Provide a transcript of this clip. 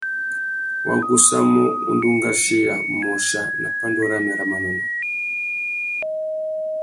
Wa gussamú undú ngʼachiya môchia nà pandú râmê râ manônôh.